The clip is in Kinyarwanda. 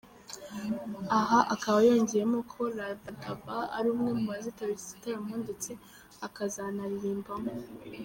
Aha akaba yanongeyeho ko Rabadaba ari umwe mu bazitabira iki gitaramo ndetse akazanaririmbamo.